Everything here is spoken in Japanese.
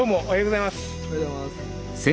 おはようございます。